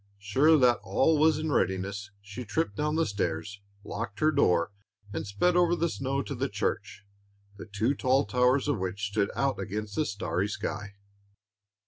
Sure that all was in readiness, she tripped down the stairs, locked her door, and sped over the snow to the church, the two tall towers of which stood out against the starry sky.